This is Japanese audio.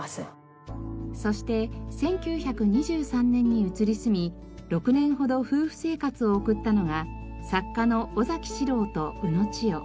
そして１９２３年に移り住み６年ほど夫婦生活を送ったのが作家の尾士郎と宇野千代。